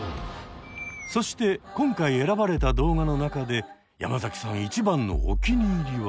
そして今回選ばれた動画の中で山崎さん一番のお気に入りは？